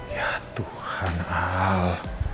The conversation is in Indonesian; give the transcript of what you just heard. ya tuhan al